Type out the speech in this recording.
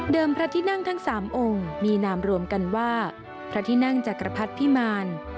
พระที่นั่งทั้ง๓องค์มีนามรวมกันว่าพระที่นั่งจักรพรรดิพิมาร